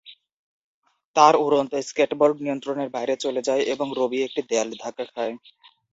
তার উড়ন্ত স্কেটবোর্ড নিয়ন্ত্রণের বাইরে চলে যায় এবং রবি একটি দেয়ালে ধাক্কা খায়।